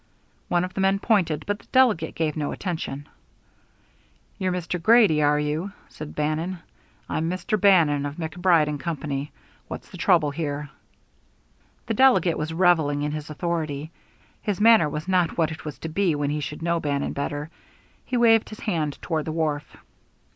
One of the men pointed, but the delegate gave no attention. "You're Mr. Grady, are you?" said Bannon. "I'm Mr. Bannon, of MacBride & Company. What's the trouble here?" The delegate was revelling in his authority: his manner was not what it was to be when he should know Bannon better. He waved his hand toward the wharf.